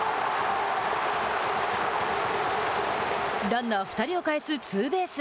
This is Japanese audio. ランナー２人を帰すツーベース。